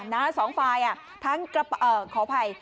น้ำนี้สองฝ่ายอ่ะทั้งกระเป๋าอ่าขออภัย